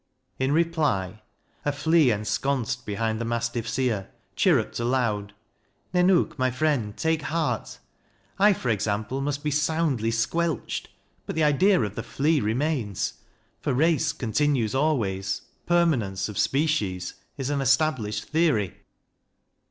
In reply, A flea, ensconced behind the Mastiff's ear, Chirruped aloud, " Nennook, my friend, take heart : I, for example, must be soundly squelched, But the idea of the flea remains ; For race continues always : permanence Of species is established theory.